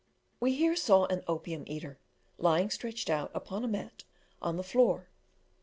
We here saw an opium eater, lying stretched out upon a mat on the floor.